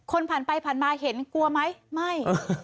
คนผ่านไปผ่านมาเห็นกลัวไหมไม่